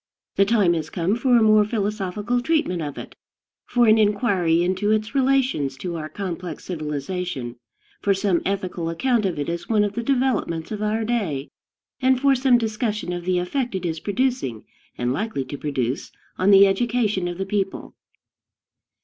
The time has come for a more philosophical treatment of it, for an inquiry into its relations to our complex civilization, for some ethical account of it as one of the developments of our day, and for some discussion of the effect it is producing, and likely to produce, on the education of the people.